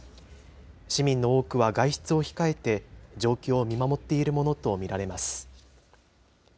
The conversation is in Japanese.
市民の多くは外出を控えて、状況を見守っているものと見られます。